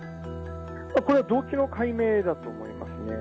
これは動機の解明だと思いますね。